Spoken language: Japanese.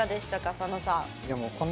佐野さん。